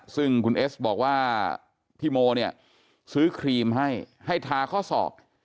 ซึ่งคุณเอสบอกว่าพี่โมเนี่ยซื้อครีมให้ให้ทาข้อสอบ